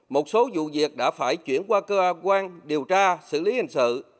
một số vụ việc đã phải chuyển qua cơ quan điều tra xử lý hình sự